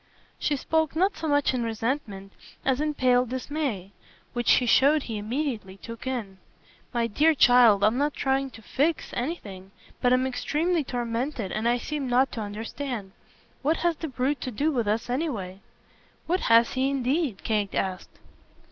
She spoke not so much in resentment as in pale dismay which he showed he immediately took in. "My dear child, I'm not trying to 'fix' anything; but I'm extremely tormented and I seem not to understand. What has the brute to do with us anyway?" "What has he indeed?" Kate asked.